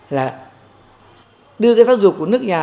là đưa cái giáo dục của nước nhà